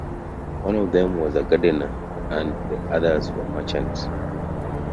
One of them was a gardener and the others were merchants.